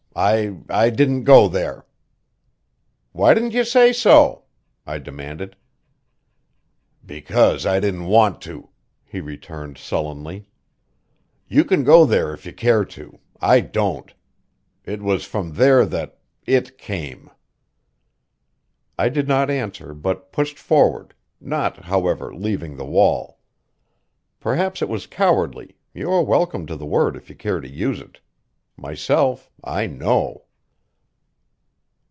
I I didn't go there." "Why didn't you say so?" I demanded. "Because I didn't want to," he returned sullenly. "You can go there if you care to; I don't. It was from there that it came." I did not answer, but pushed forward, not, however, leaving the wall. Perhaps it was cowardly; you are welcome to the word if you care to use it. Myself, I know.